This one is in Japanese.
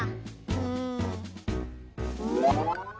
うん。